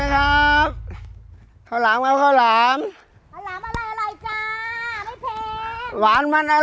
ข้าวหลามอะไรอร่อยจ้าไม่เทหวานมันอร่อยนะครับ